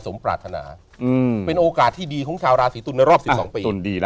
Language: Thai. สมปรารถนาเป็นโอกาสที่ดีของชาวราศีตุลในรอบ๑๒ปีตุนดีนะ